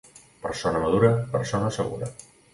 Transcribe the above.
Persona madura, persona segura.